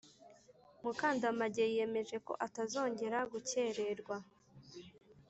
mukandamage yiyemeje ko atazongera gukererwa